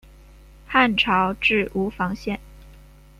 汉朝置吴房县。